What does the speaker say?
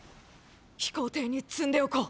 飛行艇に積んでおこう。